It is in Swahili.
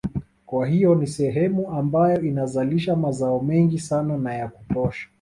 Kwa hiyo ni sehemu ambayo inazalisha mazao mengi sana na ya kutosha